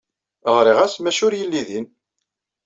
Ɣriɣ-as, maca ur yelli din.